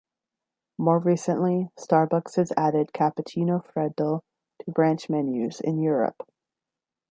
More recently, Starbucks has added Cappuccino Freddo to branch menus in Europe.